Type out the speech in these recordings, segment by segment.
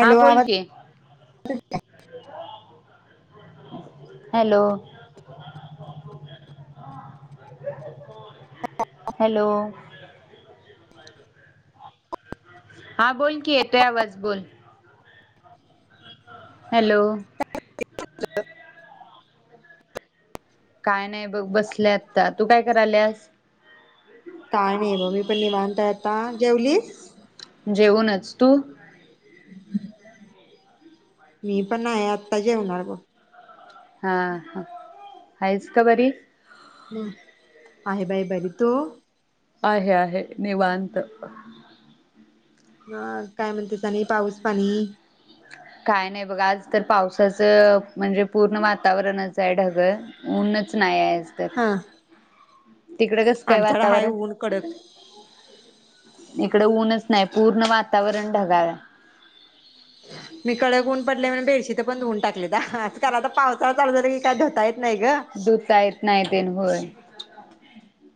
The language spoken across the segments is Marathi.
हा बोल आवज की [inaudible] हॅलो. [inaudible] हॅलो. हा बोल की येतोय आवाज बोल. हॅलो. [inaudible] काय नाई बघ बसले आता तू काय कराल्यास? काय नाइ ब मी पण निवांत हाय आता जेवलीस? जेवूनचं तू मी पण नाइ आता जेवणार ब. हा हाइस का बरी? हं आहे बाई बरी तू? आहे आहे निवांत. हं काय म्हणते [unintelligible] पाऊस पाणी बघा आज तर पावसाचं म्हणजे पूर्ण वातावरणच हाय ढगळ ऊनच नायाय. [inaudible] आमच्याड हाय ऊन कडक इकड ऊनच नाई पूर्ण वातावरण ढगाळ मी कडक उन पडलय म्हणून बेडशीत पण धऊन टाक लेता [inaudible] दुता येत नाय तेनं होय.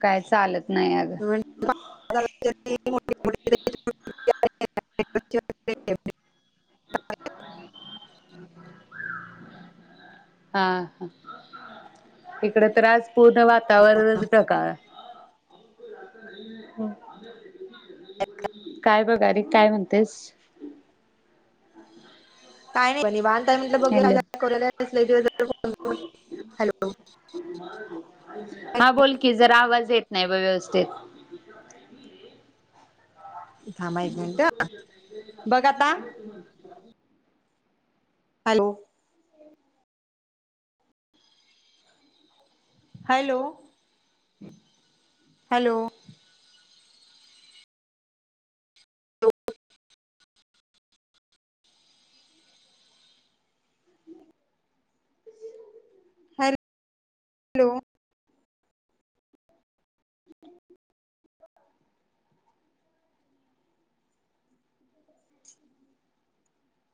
काय चालत नाही अगं [inaudible] [inaudible] हा, इकडे तर आज. पूर्ण वातावरणच ढगाळ आहे. काय बागारे काय म्हणतेस काय नाही, बग निवांत. म्हट बघ हॅलो दिवो कर हॅलो हा बोल की जरा आवाज येत नाही ब व्यवस्थित थांबा एक मिनिट बघ आता [unintelligible] hello. Hello, hello. Hello low. [inaudible]